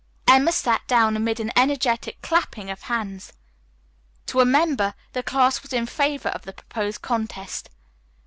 Emma sat down amid an energetic clapping of hands. To a member, the class was in favor of the proposed contest.